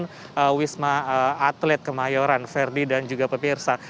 di wisma atlet kemayoran verdi dan juga pemirsa